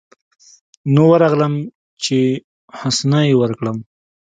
نو ورغلم چې حسنه يې وركړم.